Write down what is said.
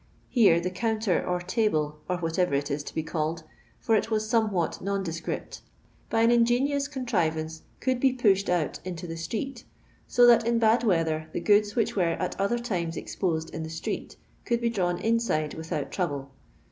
Here the counter, or table, or whatever it is to be called, for it was somewhat nonde Kript, by an ingenious contrivance conld be poshed OBt into the street, so that in bad weather the goods which were at other times exposed in the street conld be drawn inside without trouble.